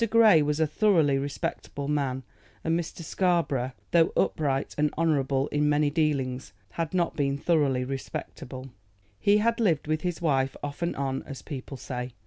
Grey was a thoroughly respectable man, and Mr. Scarborough, though upright and honorable in many dealings, had not been thoroughly respectable. He had lived with his wife off and on, as people say.